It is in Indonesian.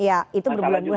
ya itu berbulan bulan